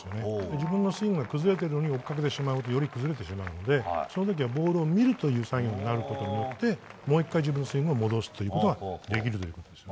自分のスイングが崩れているのにもかかわらず振ると、より崩れてしまうのでその時はボールを見る作業をすることによってもう１回自分のスイングに戻すことができるんです。